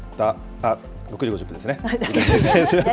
あっ、６時５０分ですね。